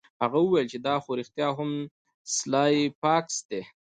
هغه وویل چې دا خو رښتیا هم سلای فاکس دی